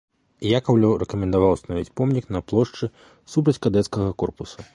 Якаўлеў рэкамендаваў устанавіць помнік на плошчы супраць кадэцкага корпуса.